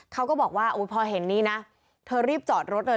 เขาก็บอกว่าพอเห็นนี้นะเธอรีบจอดรถเลย